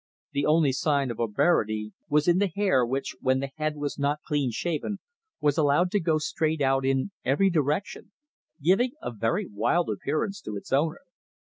The only sign of barbarity was in the hair which, when the head was not clean shaven, was allowed to grow straight out in every direction, giving a very wild appearance to its owner.